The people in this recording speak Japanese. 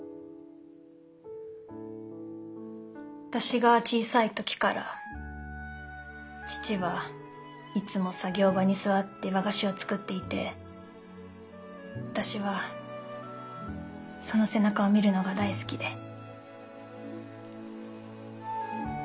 私が小さい時から父はいつも作業場に座って和菓子を作っていて私はその背中を見るのが大好きで。